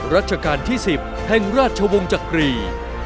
รัชกาลที่๑๐แห่งราชวงศ์จักรี